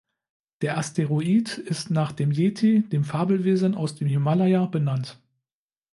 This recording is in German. Der Asteroid ist nach dem Yeti, dem Fabelwesen aus dem Himalaja, benannt.